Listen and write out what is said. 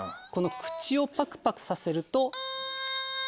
口をパクパクさせると。